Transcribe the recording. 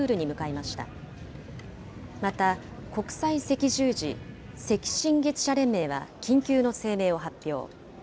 また、国際赤十字・赤新月社連盟は緊急の声明を発表。